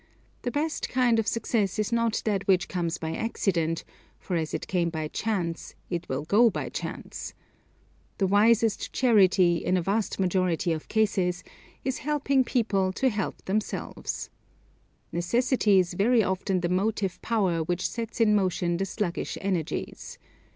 The best kind of success is not that which comes by accident, for as it came by chance it will go by chance. The wisest charity, in a vast majority of cases, is helping people to help themselves. Necessity is very often the motive power which sets in motion the sluggish energies.